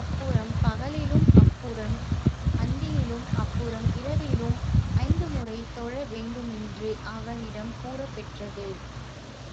அப்புறம் பகலிலும், அப்புறம் அந்தியிலும், அப்புறம் இரவிலும், ஐந்துமுறை தொழ வேண்டுமென்று அவனிடம் கூறப் பெற்றது.